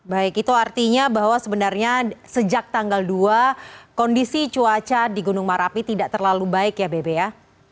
baik itu artinya bahwa sebenarnya sejak tanggal dua kondisi cuaca di gunung merapi tidak terlalu baik ya bebe ya